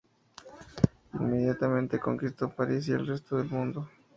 Inmediatamente conquistó París y el resto del mundo.